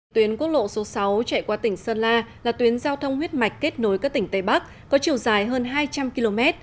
tuyến quốc lộ số sáu chạy qua tỉnh sơn la là tuyến giao thông huyết mạch kết nối các tỉnh tây bắc có chiều dài hơn hai trăm linh km